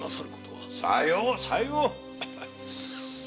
さようさよう。